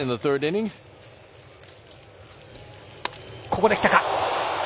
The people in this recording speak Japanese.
ここで来たか。